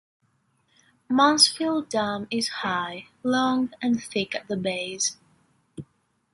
Mansfield Dam is high, long, and thick at the base.